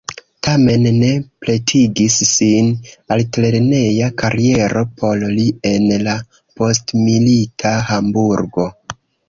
Tamen ne pretigis sin altlerneja kariero por li en la postmilita Hamburgo.